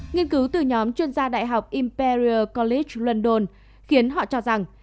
nghiên cứu từ nhóm chuyên gia đại học imperial college london khiến họ cho rằng